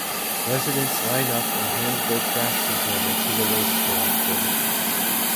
Residents line up and hand their trash container to the waste collector.